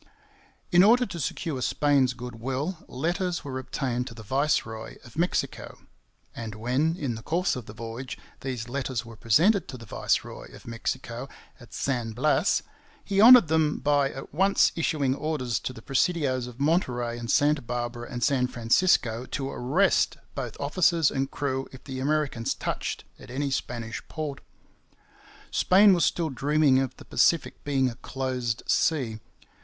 In order to secure Spain's goodwill, letters were obtained to the viceroy of Mexico; and when, in the course of the voyage, these letters were presented to the viceroy of Mexico at San Blas, he honoured them by at once issuing orders to the presidios of Monterey and Santa Barbara and San Francisco to arrest both officers and crew if the Americans touched at any Spanish port. Spain was still dreaming of the Pacific being 'a closed sea.'